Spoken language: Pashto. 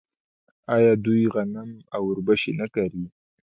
آیا دوی غنم او وربشې نه کري؟